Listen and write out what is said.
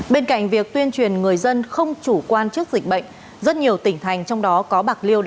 bên cạnh việc tuyên truyền người dân không chủ quan trước dịch bệnh rất nhiều tỉnh thành trong đó có bạc liêu